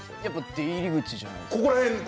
出入り口じゃないですか。